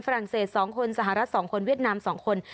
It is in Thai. ฝรัศ๒คนสหรัฐ๒คนเวียดนาม๒คน